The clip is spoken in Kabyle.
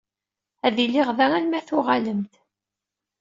Ad iliɣ da arma tuɣalem-d.